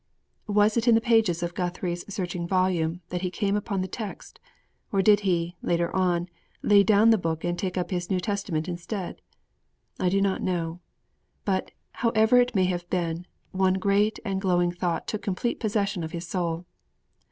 Was it in the pages of Guthrie's searching volume that he came upon the text, or did he, later on, lay down the book and take up his New Testament instead? I do not know. But, however that may have been, one great and glowing thought took complete possession of his soul.